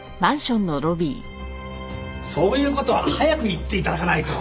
そういう事は早く言って頂かないと。